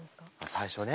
最初はね